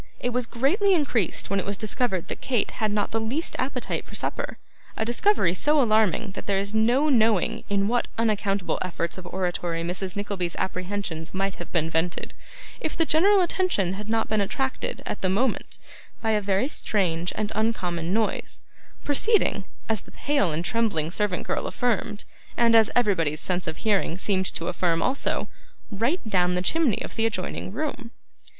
It was greatly increased when it was discovered that Kate had not the least appetite for supper: a discovery so alarming that there is no knowing in what unaccountable efforts of oratory Mrs. Nickleby's apprehensions might have been vented, if the general attention had not been attracted, at the moment, by a very strange and uncommon noise, proceeding, as the pale and trembling servant girl affirmed, and as everybody's sense of hearing seemed to affirm also, 'right down' the chimney of the adjoining room.